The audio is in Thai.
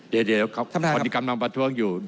เดี๋ยวครับคนที่กำลังประท้วงอยู่